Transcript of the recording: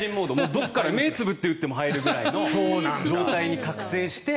どこから目をつぶっても入るぐらいの状態に覚醒して。